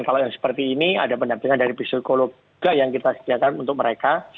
kalau yang seperti ini ada pendampingan dari psikolog juga yang kita sediakan untuk mereka